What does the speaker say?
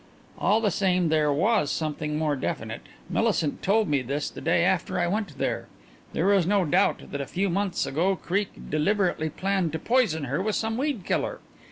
All the same there was something more definite. Millicent told me this the day after I went there. There is no doubt that a few months ago Creake deliberately planned to poison her with some weed killer.